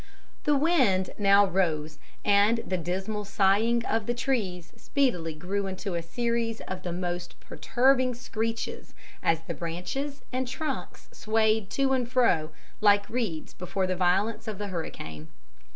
The wind now rose, and the dismal sighing of the trees speedily grew into a series of the most perturbing screeches, as the branches and trunks swayed to and fro like reeds before the violence of the hurricane.